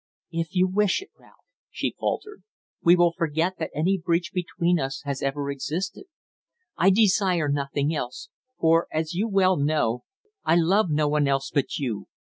"If you wish it, Ralph," she faltered, "we will forget that any breach between us has ever existed. I desire nothing else; for, as you well know, I love no one else but you.